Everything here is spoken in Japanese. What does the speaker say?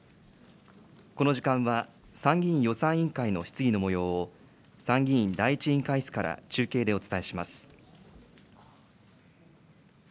この時間は、参議院予算委員会の質疑のもようを、参議院第１委員会室から中継でお伝えします。